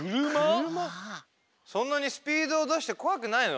そんなにスピードだしてこわくないの？